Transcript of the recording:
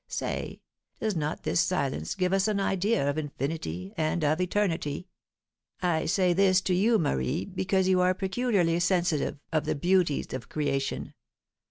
Say, does not this silence give us an idea of infinity and of eternity? I say this to you, Marie, because you are peculiarly sensitive of the beauties of creation.